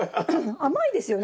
甘いですよね。